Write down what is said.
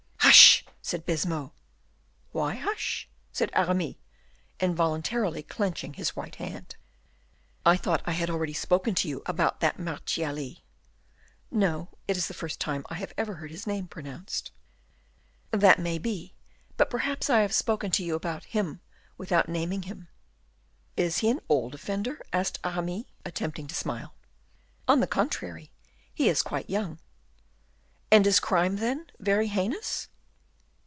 "Hush!" said Baisemeaux. "Why hush?" said Aramis, involuntarily clenching his white hand. "I thought I had already spoken to you about that Marchiali." "No, it is the first time I ever heard his name pronounced." "That may be, but perhaps I have spoken to you about him without naming him." "Is he an old offender?" asked Aramis, attempting to smile. "On the contrary, he is quite young." "Is his crime, then, very heinous?"